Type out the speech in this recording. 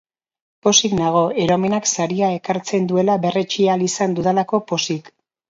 Pozik nago, eromenak saria ekartzen duela berretsi ahal izan dudalako pozik!